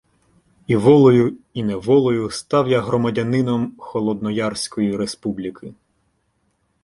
І волею, і неволею став я "громадянином" Холодноярської "республіки".